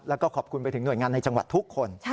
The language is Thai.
แล้วก็ขอบคุณไปถึงหน่วยงานในจังหวัดทุกคน